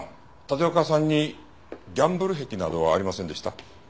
立岡さんにギャンブル癖などはありませんでした？